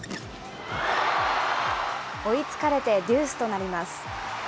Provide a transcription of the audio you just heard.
追いつかれてデュースとなります。